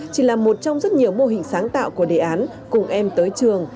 chỉ là một trong rất nhiều mô hình sáng tạo của đề án cùng em tới trường